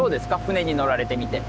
船に乗られてみて。